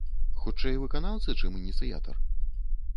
Хутчэй, выканаўца, чым ініцыятар?